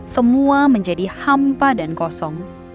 semua menjadi hampa dan kosong